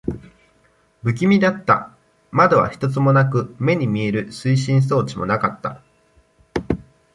不気味だった。窓は一つもなく、目に見える推進装置もなかった。